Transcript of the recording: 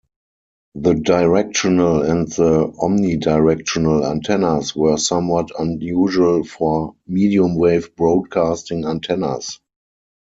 The directional and the omnidirectional antennas were somewhat unusual for mediumwave broadcasting antennas.